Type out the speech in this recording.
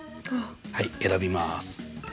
はい選びます。